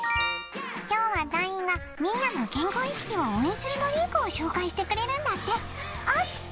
今日は団員がみんなの健康意識を応援するドリンクを紹介してくれるんだっておす！